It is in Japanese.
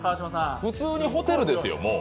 普通にホテルですよ、もう。